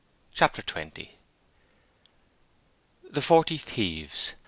Chapter 20 The Forty Thieves.